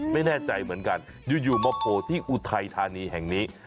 ไม่แน่ใจเหมือนกันอยู่มาโผล่ที่อุทัยธานีแห่งนี้